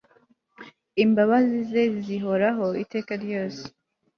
imbabazi ze zihoraho iteka ryose